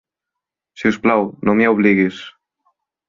Si us plau, no m'hi obliguis.